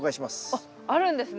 あっあるんですね。